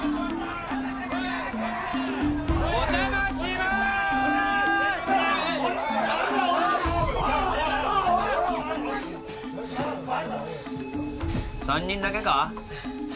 お邪魔しまーす３人だけか？